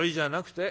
て